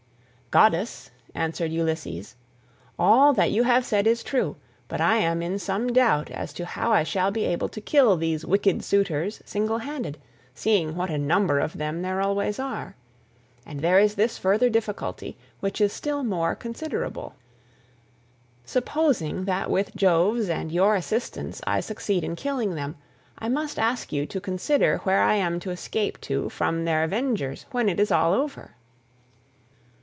"Goddess," answered Ulysses, "all that you have said is true, but I am in some doubt as to how I shall be able to kill these wicked suitors single handed, seeing what a number of them there always are. And there is this further difficulty, which is still more considerable. Supposing that with Jove's and your assistance I succeed in killing them, I must ask you to consider where I am to escape to from their avengers when it is all over."